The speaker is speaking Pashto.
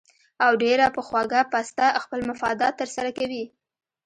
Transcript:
او ډېره پۀ خوږه پسته خپل مفادات تر سره کوي